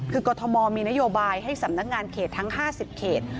คือกรทมมีนโยบายให้สำนักงานเขตทั้ง๕๐เขต